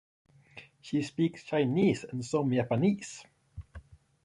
She speaks Chinese and some Japanese.